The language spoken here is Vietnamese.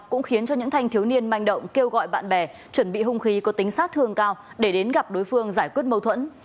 cũng khiến cho những thanh thiếu niên manh động kêu gọi bạn bè chuẩn bị hung khí có tính sát thương cao để đến gặp đối phương giải quyết mâu thuẫn